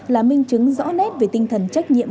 là minh chứng rõ nét về tinh thần trách nhiệm